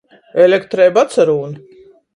Elektreiba atsarūn.